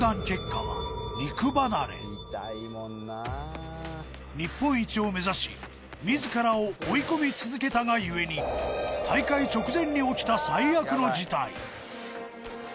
結果は肉離れ日本一を目指し自らを追い込み続けたが故に大会直前に起きた最悪の事態